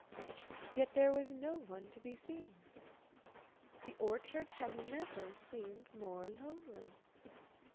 Yet there was no one to be seen. The orchard had never seemed more lonely.